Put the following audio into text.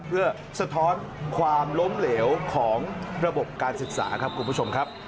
เพื่อสะท้อนความล้มเหลวของระบบการศึกษาครับคุณผู้ชมครับ